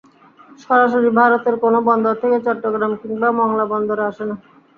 সরাসরি ভারতের কোনো বন্দর থেকে চট্টগ্রাম কিংবা মংলা বন্দরে আসে না।